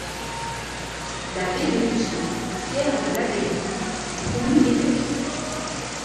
L'abbé de Luçon, Pierre de La Veyrie, fut promu évêque.